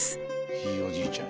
ひいおじいちゃん。